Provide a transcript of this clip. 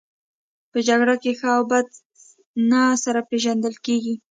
په جګړه کې ښه او بد نه سره پېژندل کیږي